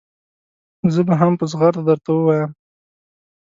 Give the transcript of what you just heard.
زه به هم په زغرده درته ووایم.